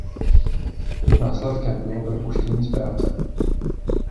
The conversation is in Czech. Následkem bylo propuštění z práce.